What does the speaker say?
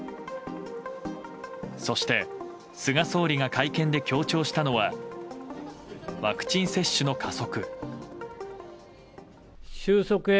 そして、菅総理が会見で強調したのはワクチン接種の加速。